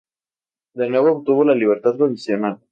De nuevo obtuvo la libertad condicional.